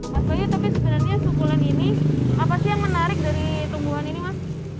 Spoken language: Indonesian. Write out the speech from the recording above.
sebenarnya suku len ini apa sih yang menarik dari tumbuhan ini mas